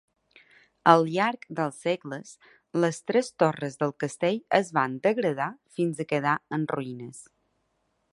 Al llarg dels segles, les tres torres del castell es van degradar fins a quedar en ruïnes.